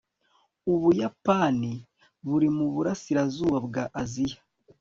ubuyapani buri mu burasirazuba bwa aziya